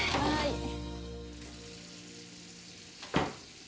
はい。